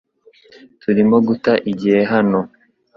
Turimo guta igihe hano .